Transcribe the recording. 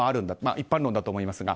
一般論かと思いますが。